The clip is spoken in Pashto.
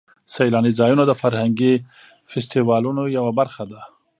سیلاني ځایونه د فرهنګي فستیوالونو یوه برخه ده.